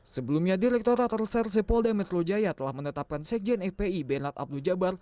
sebelumnya direktur rater sersepol demetro jaya telah menetapkan sekjen fpi benat abdu jabar